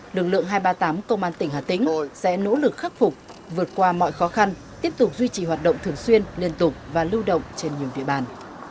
lực lượng hai trăm ba mươi tám công an tỉnh hà tĩnh sẽ nỗ lực khắc phục vượt qua mọi khó khăn tiếp tục duy trì hoạt động thường xuyên liên tục và lưu động trên nhiều địa bàn